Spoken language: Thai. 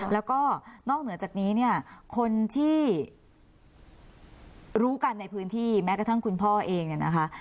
แล้วก็นอกเหนือจากนี้เนี่ยคนที่รู้กันในพื้นที่แม้กระทั่งคุณพ่อเองเนี่ยนะคะ